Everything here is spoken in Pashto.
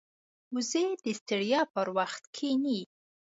وزې د ستړیا پر وخت کښیني